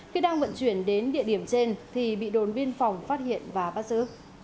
khi đang vận chuyển đến địa điểm trên thì bị đồn biên phòng phát hiện và bắt giữ